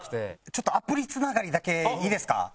ちょっとアプリつながりだけいいですか？